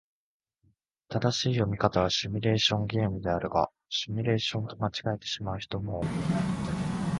正しい読み方はシミュレーションゲームであるが、シュミレーションと間違えてしまう人も多い。